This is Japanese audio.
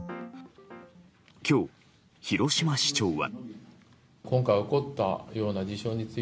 今日、広島市長は。